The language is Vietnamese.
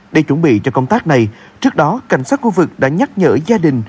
để chuẩn bị cho công tác này trước đó cảnh sát khu vực đã nhắc nhở gia đình